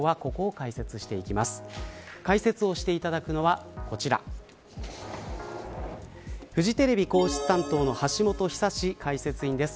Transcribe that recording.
解説をしていただくのはこちらフジテレビ皇室担当の橋本寿史解説委員です。